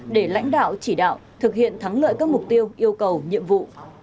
để lãnh đạo chỉ đạo thực hiện thắng lợi các mục tiêu yêu cầu nhiệm vụ